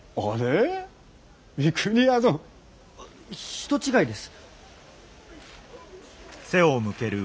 人違いです。